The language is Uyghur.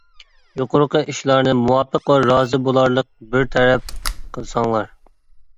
يۇقىرىقى ئىشلارنى مۇۋاپىق ۋە رازى بولارلىق بىر تەرەپ قىلساڭلار.